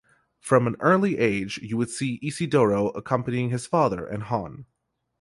From an early age you would see Isidoro accompanying his father and Hon.